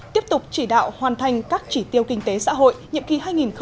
tiếp tục chỉ đạo hoàn thành các chỉ tiêu kinh tế xã hội nhiệm kỳ hai nghìn một mươi năm hai nghìn hai mươi